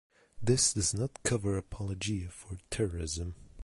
This does not cover apologia for terrorism.